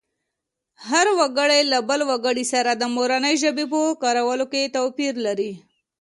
هر وګړی له بل وګړي سره د مورنۍ ژبې په کارولو کې توپیر لري